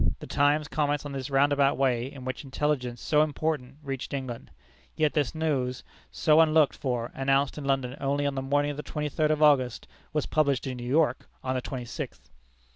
The Times comments on this roundabout way in which intelligence so important reached England. Yet this news, so unlooked for, announced in London only on the morning of the twenty third of August, was published in New York on the twenty sixth.